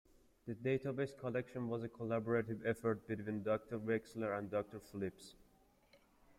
The database collection was a collaborative effort between Doctor Wechsler and Doctor Phillips.